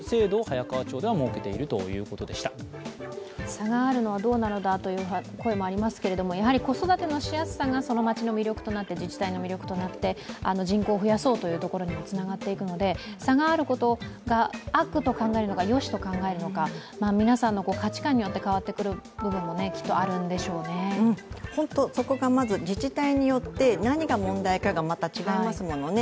差があるのはどうなのだという声もありますけれども、やはり子育てのしやすさがその街の魅力となって自治体の魅力となって人口を増やそうというところにもつながっていくので差があることが悪と考えるのか、よしと考えるのか、皆さんの価値観によって変わってくる部分も本当そこがまず自治体によって何が問題かがまた違いますものね。